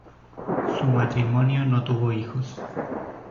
Su matrimonio no tuvo hijos.